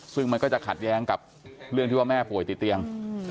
ซึ่งมันก็จะขัดแย้งกับเรื่องที่ว่าแม่ป่วยติดเตียง